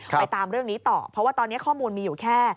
ไปตามเรื่องนี้ต่อเพราะว่าตอนนี้ข้อมูลมีอยู่แค่